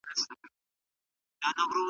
ځیني وایي چي هغه به سرتور ګرځېده.